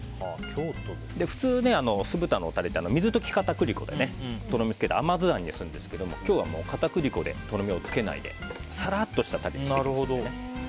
普通、酢豚のタレって水溶き片栗粉でとろみつけて甘酢あんにするんですけども今日は片栗粉でとろみをつけないでさらっとしたタレにしていきます。